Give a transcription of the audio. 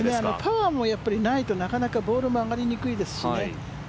パワーもないとなかなかボールも上がりにくいですしね。